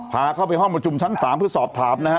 พาเข้าไปห้องประชุมชั้น๓เพื่อสอบถามนะฮะ